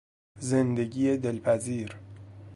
زندگی دلپذیر